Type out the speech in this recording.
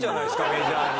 メジャーに。